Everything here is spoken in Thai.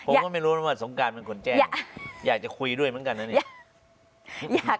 ผมก็ไม่รู้นะว่าสงการเป็นคนแจ้งอยากจะคุยด้วยเหมือนกันนะเนี่ย